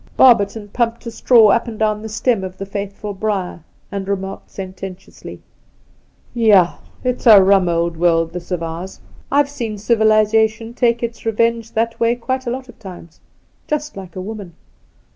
Barberton pumped a straw up and down the stem of the faithful briar, and re marked sententiously : 'Yah, it's a rum old world, this of ours ! I've seen civilization take its revenge that way quite a lot of times — ^just like a woman